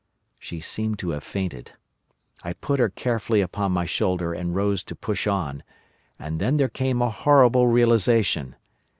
"She seemed to have fainted. I put her carefully upon my shoulder and rose to push on, and then there came a horrible realisation.